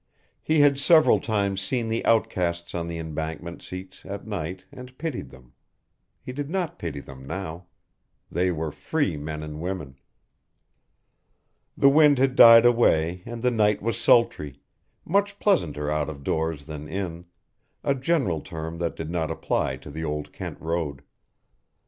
He had several times seen the outcasts on the embankment seats at night, and pitied them; he did not pity them now. They were free men and women. The wind had died away and the night was sultry, much pleasanter out of doors than in, a general term that did not apply to the Old Kent Road.